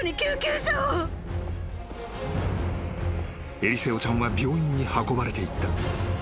［エリセオちゃんは病院に運ばれていった］